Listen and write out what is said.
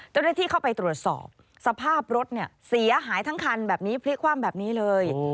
เจ้าหน้าที่เข้าไปตรวจสอบสภาพรถเนี่ยเสียหายทั้งคันแบบนี้พลิกคว่ำแบบนี้เลย